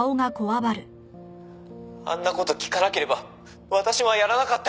「あんな事聞かなければ私はやらなかったかも」